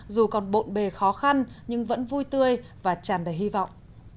dù còn bộn bề khó khăn nhưng vẫn vui tươi và tràn đầy hy vọng